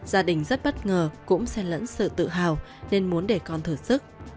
gia đình rất bất ngờ cũng xen lẫn sự tự hào nên muốn để con thử sức